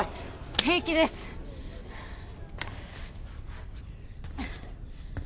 平気ですうっ！